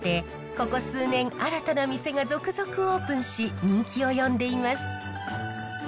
ここ数年新たな店が続々オープンし人気を呼んでいます。